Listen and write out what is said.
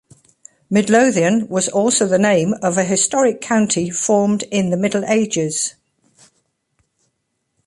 Midlothian was also the name of a historic county formed in the Middle Ages.